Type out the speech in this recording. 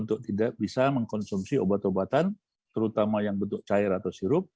untuk tidak bisa mengkonsumsi obat obatan terutama yang bentuk cair atau sirup